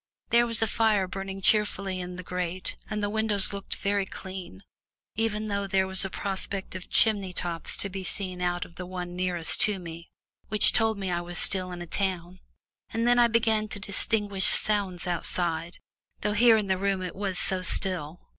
There was a fire burning cheerfully in the grate and the windows looked very clean, even though there was a prospect of chimney tops to be seen out of the one nearest to me, which told me I was still in a town. And then I began to distinguish sounds outside, though here in this room it was so still.